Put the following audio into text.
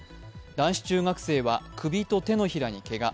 男子中学生は首と手のひらにけが。